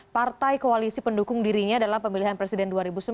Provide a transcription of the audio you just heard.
partai koalisi pendukung dirinya dalam pemilihan presiden dua ribu sembilan belas